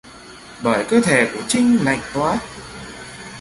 bởi cơ thể của trinh lạnh toát